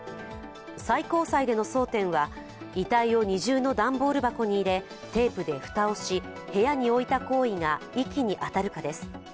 最高裁での争点は、遺体を二重の段ボール箱に入れテープで蓋をし、部屋に置いた行為が遺棄に当たるかです。